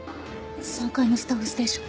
３階のスタッフステーション。